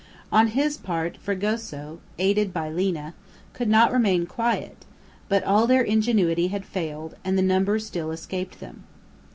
On his part, Fragoso, aided by Lina, could not remain quiet, but all their ingenuity had failed, and the number still escaped them.